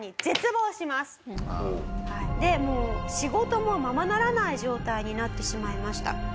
もう仕事もままならない状態になってしまいました。